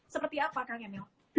seperti apa kang emil